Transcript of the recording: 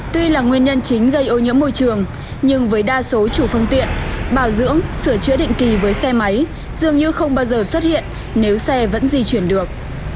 tuy là nguyên nhân chính gây ô nhiễm môi trường nhưng với đa số chủ phương tiện bảo dưỡng sửa chữa định kỳ với xe máy dường như không bao giờ xuất hiện nếu xe vẫn di chuyển được